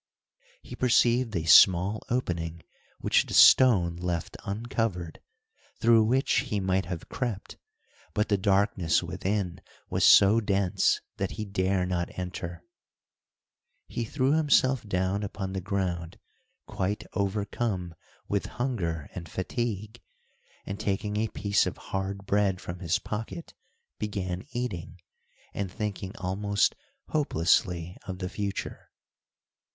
He perceived a small opening which the stone left uncovered, through which he might have crept, but the darkness within was so dense that he dare not enter. He threw himself down upon the ground quite overcome with hunger and fatigue, and taking a piece of hard bread from his pocket, began eating, and thinking almost hopelessly of the future.